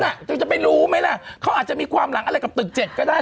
น่ะนายจะไม่รู้ไหมล่ะเขาอาจจะมีความหลังอะไรกับตึกเจ็ดก็ได้